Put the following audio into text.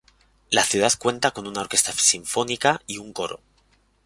La ciudad cuenta con una orquesta sinfónica y un coro.